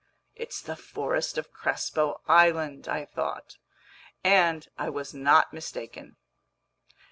"It's the forest of Crespo Island," I thought; and I was not mistaken.